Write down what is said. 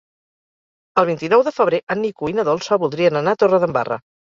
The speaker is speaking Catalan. El vint-i-nou de febrer en Nico i na Dolça voldrien anar a Torredembarra.